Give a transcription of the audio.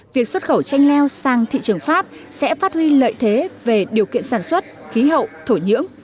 việc xuất khẩu chanh leo sang thị trường pháp sẽ phát huy lợi thế về điều kiện sản xuất khí hậu thổ nhưỡng